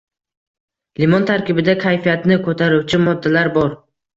Limon tarkibida kayfiyatni ko‘taruvchi moddalar bor.